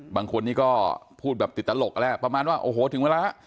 บางคนก็พูดแบบติดตลกแหละประมาณว่าโอโหถึงเวลาค่ะ